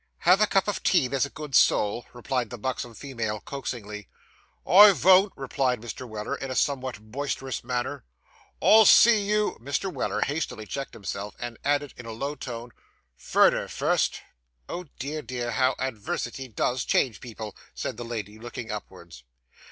'Have a cup of tea, there's a good soul,' replied the buxom female coaxingly. 'I von't,' replied Mr. Weller, in a somewhat boisterous manner. 'I'll see you ' Mr. Weller hastily checked himself, and added in a low tone, 'furder fust.' 'Oh, dear, dear! How adwersity does change people!' said the lady, looking upwards.